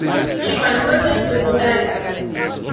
She converted to Judaism.